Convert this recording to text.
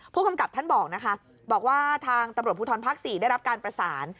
ผู้กำกับท่านบอกนะคะบอกว่าทางตำรวจภูทรภาค๔ได้รับการประสาน